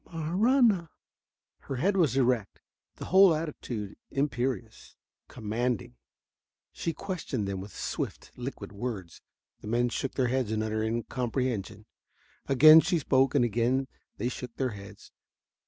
"Marahna." Her head was erect, the whole attitude imperious, commanding. She questioned them with swift, liquid words. The men shook their heads in utter incomprehension. Again she spoke, and again they shook their heads.